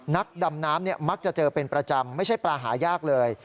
นักดำน้ำมักจะเจอเป็นประจำไม่ใช่ปลาหายากเลย